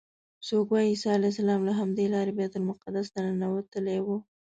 څوک وایي عیسی علیه السلام له همدې لارې بیت المقدس ته ننوتلی و.